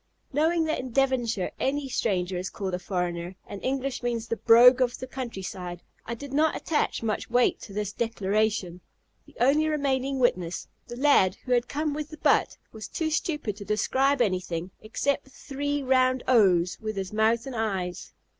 Knowing that in Devonshire any stranger is called a foreigner, and English means the brogue of the countryside, I did not attach much weight to this declaration. The only remaining witness, the lad who had come with the butt, was too stupid to describe anything, except three round O's, with his mouth and eyes.